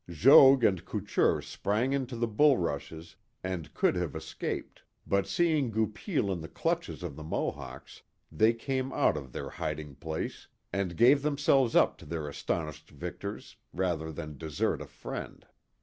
Jogues and Couture sprang into the bulrushes, and could have escaped ; but seeing Goupil in the clutches of the Mohawks, they came out of their hiding place and gave them selves up to their astonished victors, rather than desert a friend.